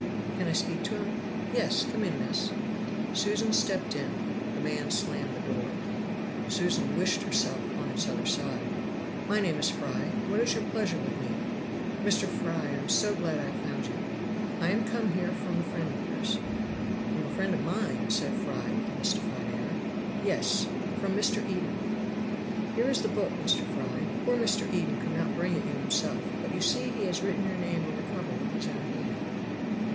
"Can I speak to him?" "Yes. Come in, miss." Susan stepped in. The man slammed the door. Susan wished herself on its other side. "My name is Fry. What is your pleasure with me?" "Mr. Fry, I am so glad I have found you. I am come here from a friend of yours." "From a friend of mine??!!" said Fry, with a mystified air. "Yes; from Mr. Eden. Here is the book, Mr. Fry; poor Mr. Eden could not bring it you himself, but you see he has written your name on the cover with his own hand."